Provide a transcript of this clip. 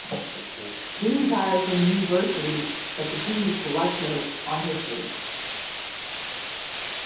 She retired from university but continues to lecture on history.